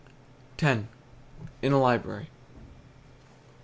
X. IN A LIBRARY.